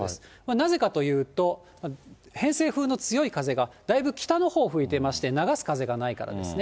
なぜかというと、偏西風の強い風がだいぶ北のほうに吹いてまして、流す風がないからですね。